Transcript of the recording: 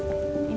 kita akan lihat